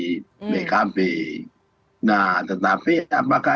nah tetapi apakah itu akan merupakan satu kelompok yang cukup strategis